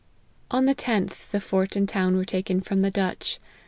On the tenth, the fort and town were taken from the Dutch.